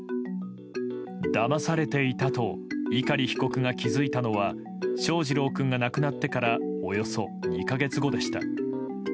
だまされていたと碇被告が気付いたのは翔士郎君が亡くなってからおよそ２か月後でした。